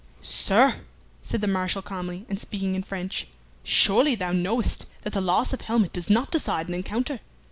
"Sir," said the Marshal calmly, and speaking in French, "surely thou knowest that the loss of helmet does not decide an encounter.